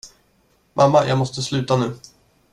Mamma, jag måste sluta nu.